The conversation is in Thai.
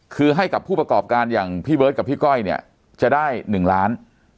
คือให้กับผู้ประกอบการอย่างพี่เบิร์ตกับพี่ก้อยเนี่ยจะได้๑ล้าน